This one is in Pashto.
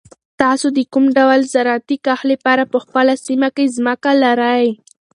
تاسو د کوم ډول زراعتي کښت لپاره په خپله سیمه کې ځمکه لرئ؟